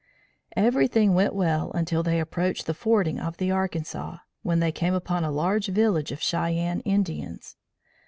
Everything went well until they approached the fording of the Arkansas, when they came upon a large village of Cheyenne Indians.